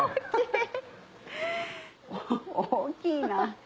大きいな。